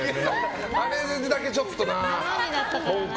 あれだけちょっとな。